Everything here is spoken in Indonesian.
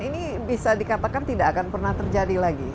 ini bisa dikatakan tidak akan pernah terjadi lagi